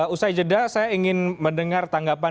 usai jeda saya ingin mendengar tanggapan